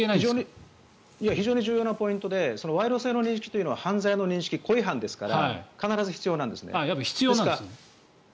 非常に重要なポイントで賄賂性の認識というのは犯罪の認識、故意犯ですから必ず必要なんですね。